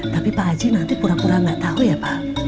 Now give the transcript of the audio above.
tapi pak haji nanti pura pura nggak tahu ya pak